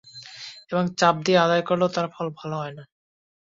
এবং চাপ দিয়ে আদায় করলেও তার ফল ভালো হয় না।